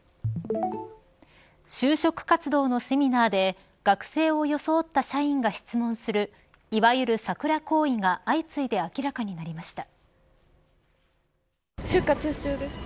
就職活動のセミナーで学生を装った社員が質問するいわゆるサクラ行為が相次いで明らかになりました。